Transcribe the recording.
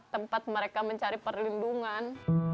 tempat mereka mencari perlindungan